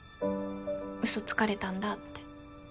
うそつかれたんだって。